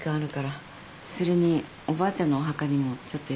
それにおばあちゃんのお墓にもちょっと寄りたいし。